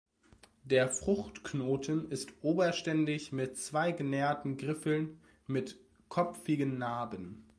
Der Fruchtknoten ist oberständig mit zwei genäherten Griffeln mit kopfigen Narben.